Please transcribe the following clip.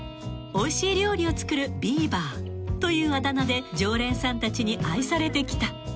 ［おいしい料理を作るビーバーというあだ名で常連さんたちに愛されてきた］